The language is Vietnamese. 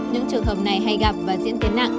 những trường hợp này hay gặp và diễn tiến nặng